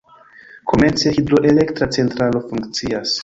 Komence hidroelektra centralo funkcias.